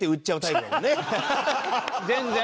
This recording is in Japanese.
全然。